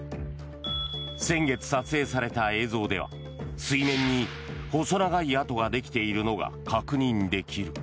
先月撮影された映像では水面に細長い跡ができているのが確認できる。